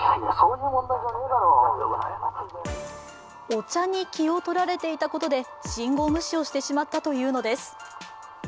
お茶に気を取られていたことで信号無視をしてしまったというのです。